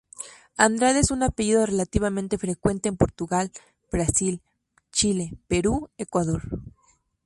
Andrade es un apellido relativamente frecuente en Portugal, Brasil, Chile, Perú, Ecuador.